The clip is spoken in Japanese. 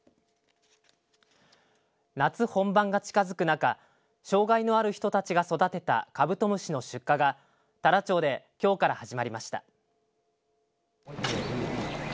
夏本番が近づく中障害のある人たちが育てたカブトムシの出荷が太良町できょうから始まりました。